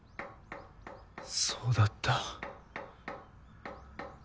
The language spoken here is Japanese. そうだった。